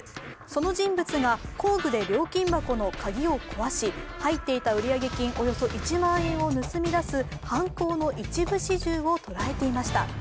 その人物が工具で料金箱の鍵を壊し入っていた売上金およそ１万円を盗み出す犯行の一部始終を捉えていました。